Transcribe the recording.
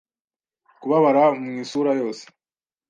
kubabara mu isura yose